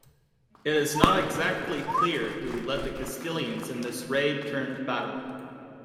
It is not exactly clear who led the Castilians in this raid turned battle.